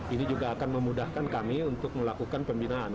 ini juga akan memudahkan kami untuk melakukan pembinaan